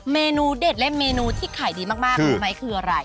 เมนูเด็ดและเมนูที่ขายดีมากคือ